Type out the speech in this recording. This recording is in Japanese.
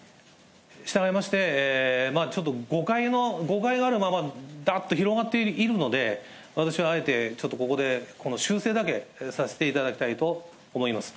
従いまして、ちょっと誤解があるままだーっと広がっているので、私はあえてちょっとここでこの修正だけさせていただきたいと思います。